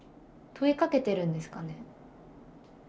問いかけてるんですかね？